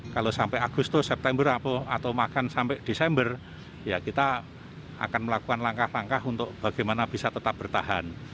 kalau sampai agustus september atau makan sampai desember ya kita akan melakukan langkah langkah untuk bagaimana bisa tetap bertahan